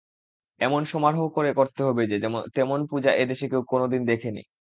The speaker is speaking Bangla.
এমন সমারোহ করে করতে হবে যে তেমন পূজা এ দেশে কেউ কোনোদিন দেখে নি।